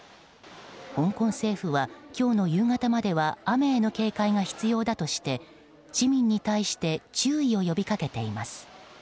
香港政府は今日の夕方までは雨への警戒が必要だとして市民に対して注意を呼び掛けています。